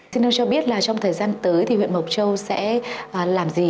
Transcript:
xin ông cho biết là trong thời gian tới thì huyện mộc châu sẽ làm gì